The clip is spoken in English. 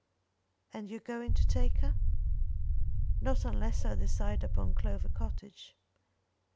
"And you are going to take her?" "Not unless I decide upon Clover Cottage.